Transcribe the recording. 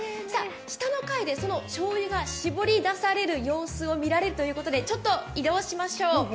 下の階で、そのしょうゆが絞り出される様子を見られるということで移動しましょう。